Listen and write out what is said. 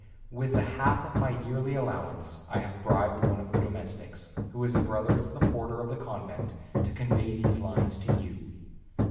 With the half of my yearly allowance I have bribed one of the domestics, who is brother to the porter of the convent, to convey these lines to you.